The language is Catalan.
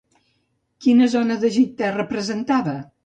Quina zona d'Egipte representava?